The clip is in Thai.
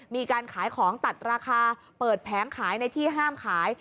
มีการขายของตัดราคาเปิดแผงขายในที่ห้ามขาย